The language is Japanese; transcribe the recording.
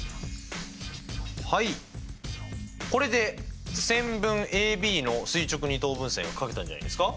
はいこれで線分ＡＢの垂直二等分線が書けたんじゃないですか？